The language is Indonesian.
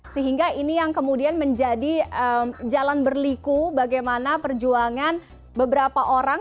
sehingga ini yang kemudian menjadi jalan berliku bagaimana perjuangan beberapa orang